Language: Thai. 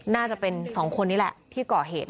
น่าจะเป็น๒คนนี้แหละที่ก่อเหตุ